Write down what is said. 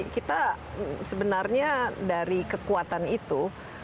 kita sebenarnya dari kekuatan itu